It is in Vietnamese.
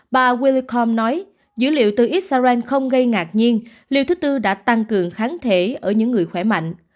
bà willicom nói dữ liệu từ israel không gây ngạc nhiên liệu thứ tư đã tăng cường kháng thể ở những người khỏe mạnh